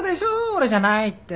俺じゃないって。